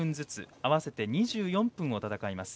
合わせて２４分を戦います。